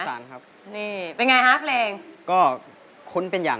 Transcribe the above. สวัสดีครับ